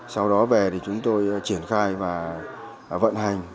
sau đó về thì chúng tôi triển khai và vận hành